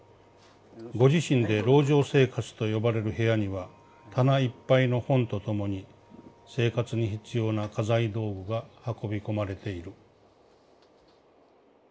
ご自身で『籠城生活』と呼ばれる部屋には棚いっぱいの本とともに生活に必要な家財道具が運び込まれている」。